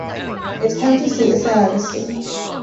Its county seat is San Augustine.